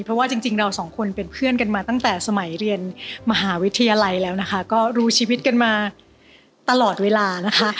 เพราะว่าจริงเราสองคนเป็นเพื่อนกันมาตั้งแต่สมัยเรียนมหาวิทยาลัยแล้วนะคะก็รู้ชีวิตกันมาตลอดเวลานะคะ